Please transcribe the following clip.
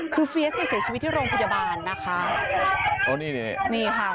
คือเฟียสไปเสียชีวิตที่โรงพยาบาลนะคะโอ้นี่นี่ค่ะ